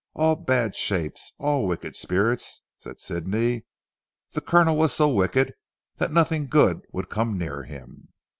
All bad shapes all wicked spirits," said Sidney. "The Colonel was so wicked that nothing good would come near him."